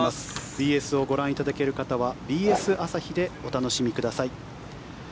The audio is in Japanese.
ＢＳをご覧いただける方はＢＳ朝日でお楽しみください。